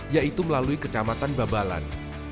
yaitu melalui kecamatan babalan